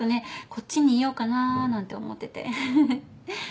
こっちにいようかななんて思っててはははっ